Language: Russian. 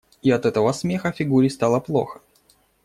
И от этого смеха Фигуре стало плохо.